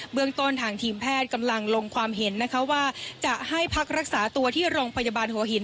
เมืองต้นทางทีมแพทย์กำลังลงความเห็นนะคะว่าจะให้พักรักษาตัวที่โรงพยาบาลหัวหิน